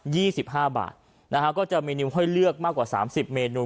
สิบห้าบาทนะฮะก็จะมีนิวให้เลือกมากกว่าสามสิบเมนู